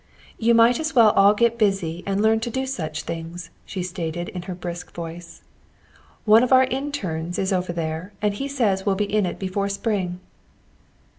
"You might as well all get busy and learn to do such things," she stated in her brisk voice. "One of our internes is over there, and he says we'll be in it before spring."